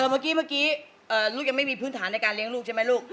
เมื่อกี้เมื่อกี้ลูกยังไม่มีพื้นฐานในการเลี้ยงลูกใช่ไหมลูก